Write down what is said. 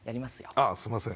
あー、すみません。